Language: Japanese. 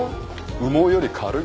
羽毛より軽い。